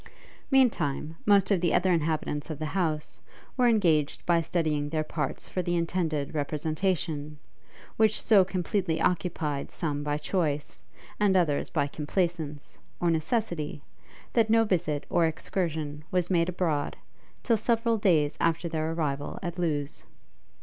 Meantime, most of the other inhabitants of the house, were engaged by studying their parts for the intended representation, which so completely occupied some by choice, and others by complaisance, or necessity, that no visit or excursion was made abroad, till several days after their arrival at Lewes.